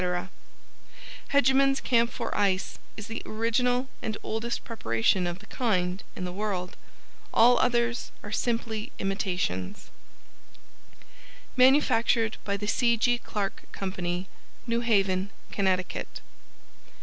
Hegeman's Camphor Ice is the original and oldest preparation of the kind in the world. All others are simply imitations. MANUFACTURED BY THE C. G. CLARK COMPANY, New Haven, Connecticut.